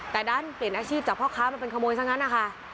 แต่ดันเปลี่ยนอาชีพจากพ่อค้ามาเป็นขโมยซะงั้นนะคะ